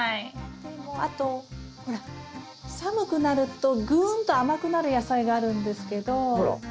あとほら寒くなるとぐんと甘くなる野菜があるんですけど。